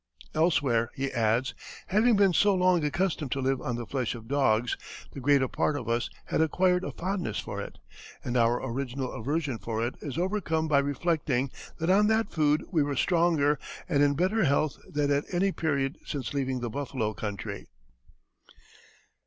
Elsewhere he adds, "having been so long accustomed to live on the flesh of dogs, the greater part of us had acquired a fondness for it, and our original aversion for it is overcome by reflecting that on that food we were stronger and in better health than at any period since leaving the buffalo country."